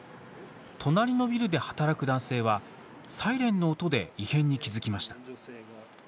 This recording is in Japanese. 隣のビルで働く男性はサイレンの音で異変に気付きました。